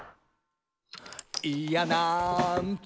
「いやなんと」